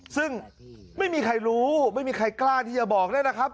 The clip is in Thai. ซึ่งไม่มีใครรู้ไม่มีใครกล้าที่จะบอกได้นะครับ